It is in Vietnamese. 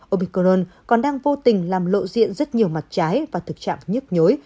obicron còn đang vô tình làm lộ diện rất nhiều mặt trái và thực trạng nhức nhối